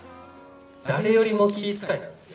誰よりも気遣いなんですよ。